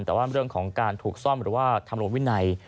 แต่ว่าเรื่องของการถูกซ่อมหรือว่าทำรวมวินัย